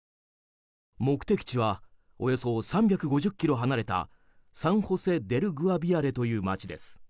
目的地はおよそ３５０ｋｍ離れたサン・ホセ・デル・グアビアレという街です。